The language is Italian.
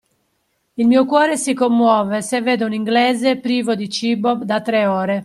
Il mio cuore si commuove se vedo un inglese privo di cibo da tre ore.